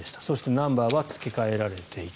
ナンバーは付け替えられていた。